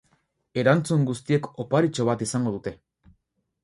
Erantzun guztiek oparitxo bat izango dute.